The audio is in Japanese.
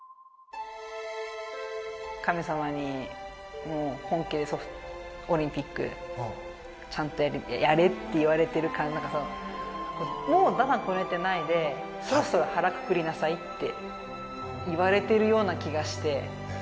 神様に「本気でオリンピックちゃんとやれ」って言われてる感じが「もう、駄々こねてないでそろそろ腹くくりなさい」って言われてるような気がして。